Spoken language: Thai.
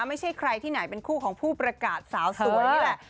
ไม่ใช่ใครที่ไหนเป็นคู่ของผู้ประกาศสาวสวยนี่แหละ